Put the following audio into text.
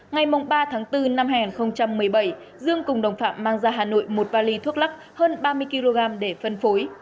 ngày ba tháng bốn năm hai nghìn một mươi bảy dương cùng đồng phạm mang ra hà nội một vali thuốc lắc hơn ba mươi kg để phân phối